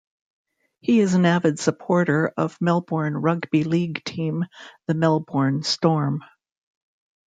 He is an avid supporter of Melbourne rugby league team the Melbourne Storm.